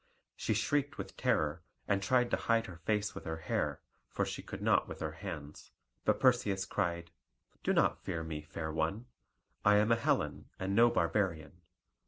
She shrieked with terror, and tried to hide her face with her hair, for she could not with her hands; but Perseus cried: "Do not fear me, fair one; I am a Hellen, and no barbarian.